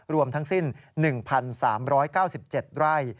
รวมทั้งสิ้น๑๓๙๗ไร่